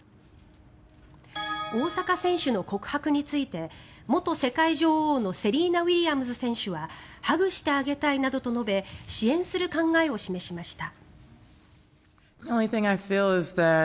大坂選手の告白について元世界女王のセリーナ・ウィリアムズ選手はハグしてあげたいなどと述べ支援する考えを示しました。